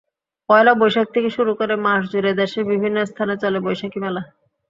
পয়লা বৈশাখ থেকে শুরু করে মাসজুড়ে দেশের বিভিন্ন স্থানে চলে বৈশাখী মেলা।